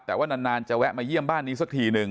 แต่ว่านานจะแวะมาเยี่ยมบ้านนี้สักทีหนึ่ง